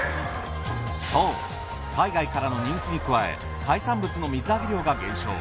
そう海外からの人気に加え海産物の水揚げ量が減少。